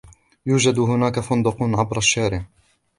يوجد هناك فندق عبر الشارع.